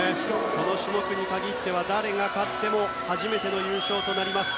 この種目に限っては誰が勝っても初めての優勝となります。